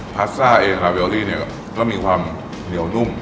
พาสซ่าเองลาเบลลี่เนี่ยก็มีความเหนียวนุ่ม